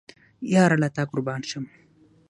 یاره له تا قربان شم